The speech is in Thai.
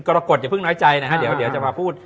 กรกฎอย่าพึ่งน้อยใจนะครับเดี๋ยวจะมาพูด